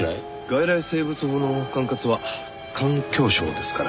外来生物法の管轄は環境省ですから。